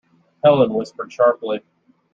Helene whispered sharply.